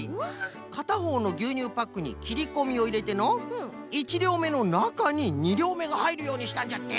かたほうのぎゅうにゅうパックにきりこみをいれての１りょうめのなかに２りょうめがはいるようにしたんじゃって。